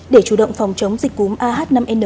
để chủ động phòng chống dịch cúm ah năm n